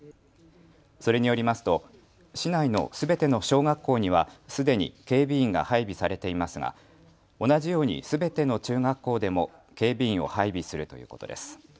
それによりますと市内のすべての小学校にはすでに警備員が配備されていますが同じようにすべての中学校でも警備員を配備するということです。